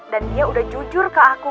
dan dia udah jujur ke aku